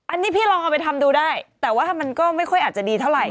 อันนี้พี่ลองเอาไปทำดูได้แต่ว่ามันก็ไม่ค่อยอาจจะดีเท่าไหร